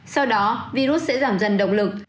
sau đó virus sẽ giảm dần động lực